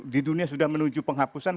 di dunia sudah menuju penghapusan